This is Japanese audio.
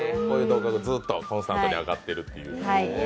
こういう動画がずっとコンスタントに上がっているという。